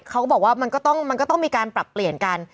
เขาก็บอกว่ามันก็ต้องมีการปรับเปลี่ยนกัน